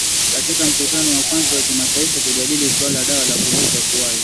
Katika mkutano wa kwanza wa kimataifa kujadili suala la dawa za kulevya kuwahi